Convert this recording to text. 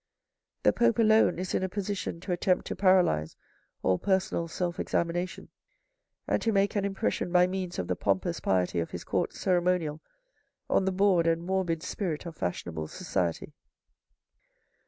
The Pope alone is in a position to attempt to paralyse all personal self examination, and to make an impression by means of the pompous piety of his court ceremonial on the bored and morbid spirit of fashionable society.